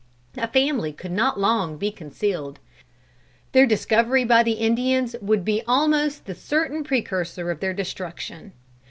A family could not long be concealed. Their discovery by the Indians would be almost the certain precursor of their destruction.